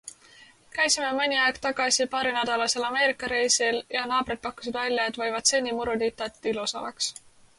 Käisime mõni aeg tagasi paarinädalasel Ameerika reisil ja naabrid pakkusid välja, et võivad seni muru niita, et ilus oleks.